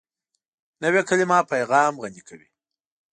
نوې کلیمه پیغام غني کوي